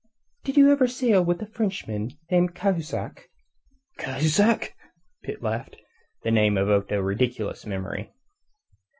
"Did you ever sail with a Frenchman named Cahusac?" "Cahusac?" Pitt laughed. The name evoked a ridiculous memory.